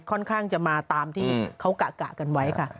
ค่อนข้างจะมาตามที่เขากะกันไว้ค่ะ